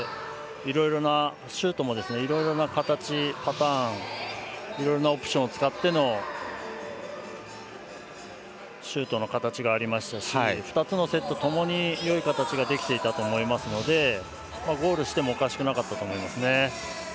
シュートも多くていろいろな形を使ってのシュートの形がありましたし２つのセットともによい形ができていたと思いますのでゴールしてもおかしくなかったと思います。